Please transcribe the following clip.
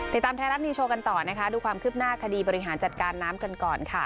ติดตามไทยรัฐนิวโชว์กันต่อนะคะดูความคืบหน้าคดีบริหารจัดการน้ำกันก่อนค่ะ